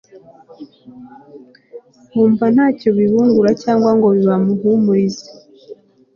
bumva nta cyo bibungura cyangwa ngo bibahumurize